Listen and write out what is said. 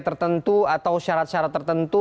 tertentu atau syarat syarat tertentu